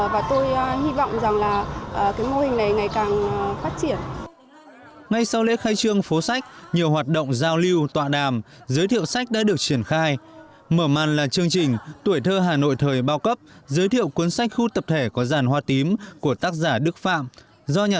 và tôi hy vọng rằng là cái mô hình này ngày càng cao